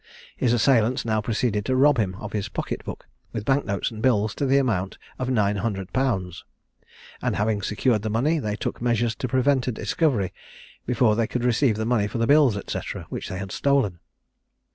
His assailants now proceeded to rob him of his pocket book, with bank notes and bills to the amount of nine hundred pounds, and having secured the money, they took measures to prevent a discovery before they could receive the money for the bills, &c. which they had stolen.